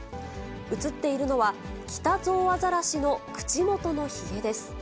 映っているのは、キタゾウアザラシの口元のひげです。